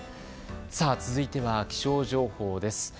続いては気象情報です。